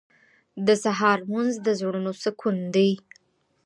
• د سهار لمونځ د زړونو سکون دی.